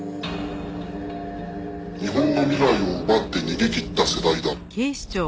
「日本の未来を奪って逃げ切った世代だ」